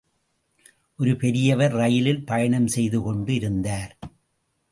ஒரு பெரியவர் ரயிலில் பயணம் செய்து கொண்டு இருந்தார்.